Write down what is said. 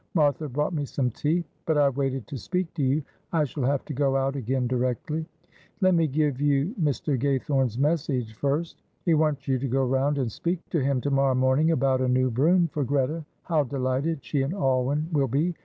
"Martha brought me some tea, but I waited to speak to you. I shall have to go out again directly." "Let me give you Mr. Gaythorne's message first. He wants you to go round and speak to him tomorrow morning about a new brougham for Greta. How delighted she and Alwyn will be.